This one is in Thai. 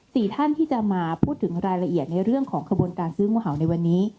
สี่ท่านที่จะมาพูดถึงรายละเอียดในเรื่องของขบวนการซื้องูเห่าในวันนี้